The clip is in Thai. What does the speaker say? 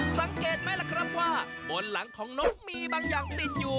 สังเกตไหมล่ะครับว่าบนหลังของนกมีบางอย่างติดอยู่